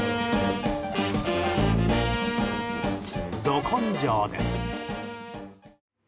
ど根性です。